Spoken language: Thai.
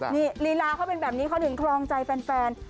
นี่ลีลาเขาเป็นแบบนี้เขาถึงครองใจแฟน